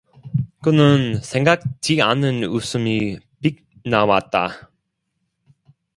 그는 생각지 않은 웃음이 픽 나왔다.